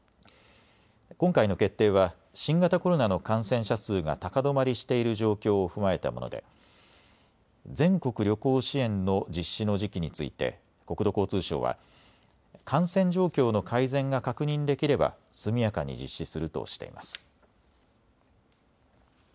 今回の決定は新型コロナの感染者数が高止まりしている状況を踏まえたもので全国旅行支援の実施の時期について国土交通省は感染状況の改善が確認できれば速やかに実施するとしています。